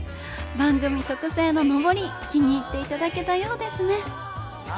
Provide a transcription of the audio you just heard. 番組特製ののぼり気に入っていただけたようですね。